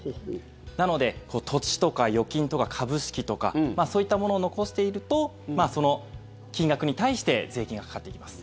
なので土地とか預金とか株式とかそういったものを残しているとその金額に対して税金がかかってきます。